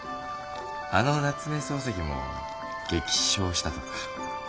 あの夏目漱石も激賞したとか。